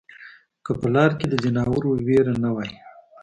که په لاره کې د ځناورو وېره نه وای